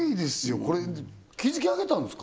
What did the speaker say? これ築き上げたんですか？